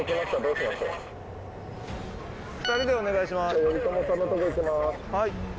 はい。